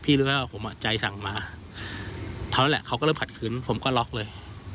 รู้แล้วว่าผมใจสั่งมาเท่านั้นแหละเขาก็เริ่มขัดขืนผมก็ล็อกเลย